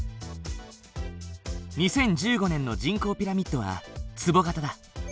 ２０１５年の人口ピラミッドはつぼ型だ。